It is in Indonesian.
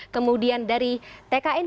kemudian dari tkn